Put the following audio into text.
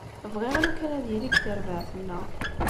Bɣiɣ lukan ad yili deg terbaɛt-nneɣ.